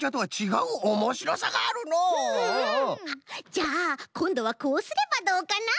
じゃあこんどはこうすればどうかな？